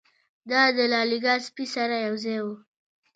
دا د لایکا سپي سره یوځای و.